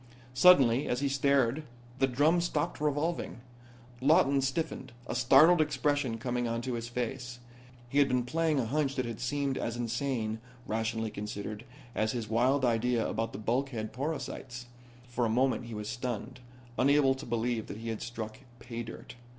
Suddenly as he stared the drum stopped revolving. Lawton stiffened, a startled expression coming into his face. He had been playing a hunch that had seemed as insane, rationally considered, as his wild idea about the bulkhead porosities. For a moment he was stunned, unable to believe that he had struck pay dirt.